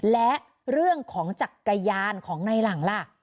และเรื่องของจักรยานของในหลังล่ะ